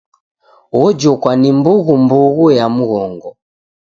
Ojokwa ni mbughumbughu ya mghongo.